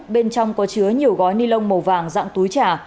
bên trong có chứa nhiều gói ni lông màu vàng dạng túi trà